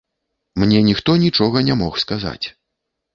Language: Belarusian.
Мне ніхто нічога не мог сказаць.